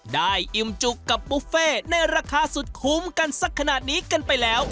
อิ่มจุกกับบุฟเฟ่ในราคาสุดคุ้มกันสักขนาดนี้กันไปแล้ว